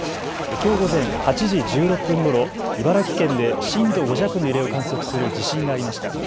きょう午前８時１６分ごろ、茨城県で震度５弱の揺れを観測する地震がありました。